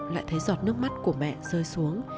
lại thấy giọt nước mắt của mẹ rơi xuống